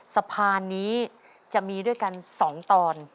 สะพานนี้จะมีด้วยกัน๒ตอน